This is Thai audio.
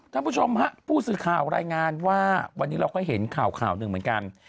ท่านผู้ชมฮะผู้สื่อข่าวรายงานว่าวันนี้เราก็เห็นข่าวข่าวหนึ่งเหมือนกัน